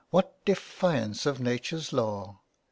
What defiance of nature's law